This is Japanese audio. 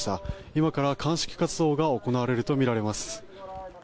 今から鑑識活動が行われるとみられます。